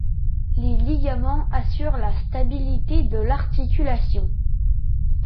Les ligaments assurent la stabilité de l’articulation.